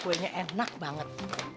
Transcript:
kuenya enak banget